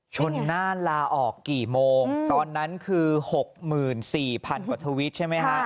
ชนหน้าลาออกกี่โมงตอนนั้นคือ๖๔๐๐๐กว่าทวิตใช่ไหมฮะ